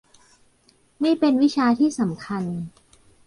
นี่เป็นวิชาที่สำคัญ